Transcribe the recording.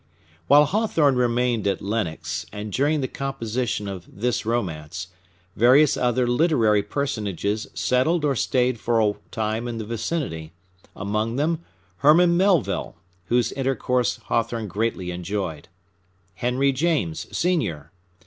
While Hawthorne remained at Lenox, and during the composition of this romance, various other literary personages settled or stayed for a time in the vicinity; among them, Herman Melville, whose intercourse Hawthorne greatly enjoyed, Henry James, Sr.